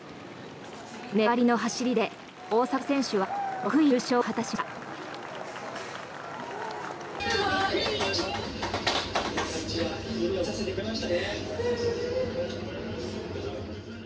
粘りの走りで大迫選手は６位入賞を果たしました。